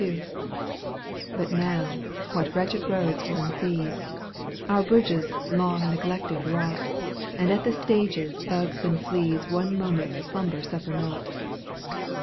canto vil XXXIL But now, what wretched roads one sees, ^w Our bridges long neglected rot, And at the stages bugs and fleas One moment's slumber suffer not.